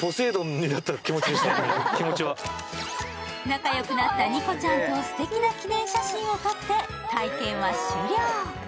仲よくなったニコちゃんとすてきな記念写真を撮って体験は終了。